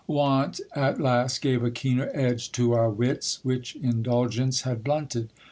Want at last gave a keener edge to our wits, which indulgence had blunted.